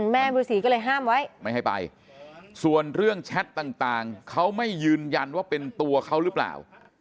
แม่ฤษีก็เลยห้ามไว้ไม่ให้ไปส่วนเรื่องแชทต่างเขาไม่ยืนยันว่าเป็นตัวเขาหรือเปล่า